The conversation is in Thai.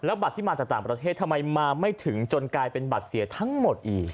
บัตรที่มาจากต่างประเทศทำไมมาไม่ถึงจนกลายเป็นบัตรเสียทั้งหมดอีก